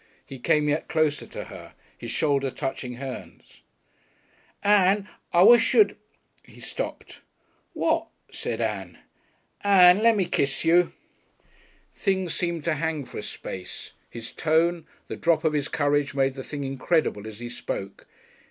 He came yet closer to her his shoulder touched hers. "Ann, I wish you'd " He stopped. "What?" said Ann. "Ann lemme kiss you." Things seemed to hang for a space; his tone, the drop of his courage, made the thing incredible as he spoke.